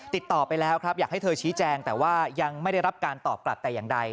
ติดต่อไปแล้วครับอยากให้เธอชี้แจงแต่ว่ายังไม่ได้รับการตอบกลับแต่อย่างใด